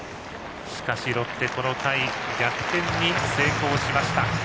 しかしロッテ、この回逆転に成功しました。